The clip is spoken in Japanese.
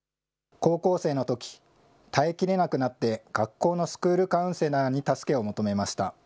高校生のとき、耐えきれなくなって学校のスクールカウンセラーに助けを求めました。